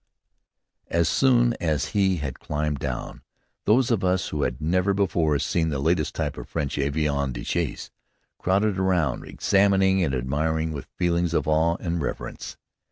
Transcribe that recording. As soon as he had climbed down, those of us who had never before seen this latest type of French avion de chasse, crowded round, examining and admiring with feelings of awe and reverence.